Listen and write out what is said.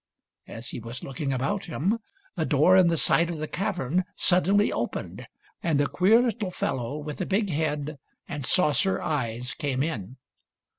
As he was looking about him, a door in the side of the cavern suddenly opened and a queer little fellow with a big head and saucer eyes came in.